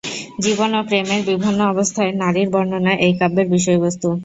জীবন ও প্রেমের বিভিন্ন অবস্থায় নারীর বর্ণনা এই কাব্যের বিষয়বস্তু।